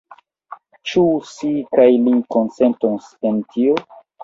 Ĉu si kaj li konsentos en tio?